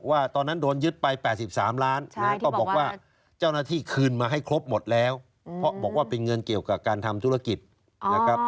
ว่าตอนนั้นโดนยึดไป๘๓ล้านก็บอกว่าเจ้าหน้าที่คืนมาให้ครบหมดแล้วเพราะบอกว่าเป็นเงินเกี่ยวกับการทำธุรกิจนะครับ